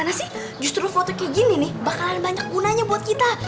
karena sih justru foto kayak gini nih bakalan banyak gunanya buat kita